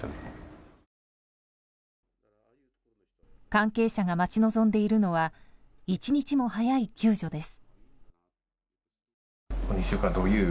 関係者が待ち望んでいるのは一日も早い救助です。